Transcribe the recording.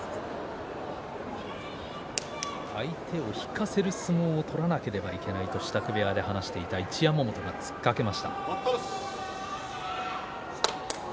相手を引かせる相撲を取らせなければいけないという一山本、突っかけました。